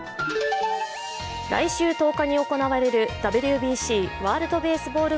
来週１０日に行われるＷＢＣ＝ワールドベースボール